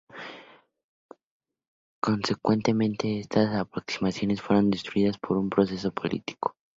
Consecuentemente, estas aproximaciones fueron destruidas por un proceso político.